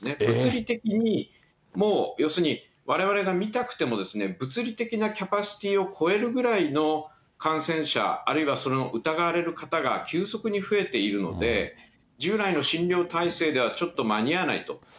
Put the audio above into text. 物理的にもう、要するにわれわれが診たくても物理的なキャパシティを超えるぐらいの感染者、あるいはその疑われる方が急速に増えているので、従来の診療体制ではちょっと間に合わないと。